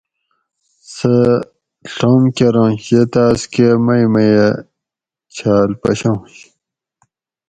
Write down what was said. سہ ڷم کرنش یہ تاۤس کہ مئ میہ چھال پشانش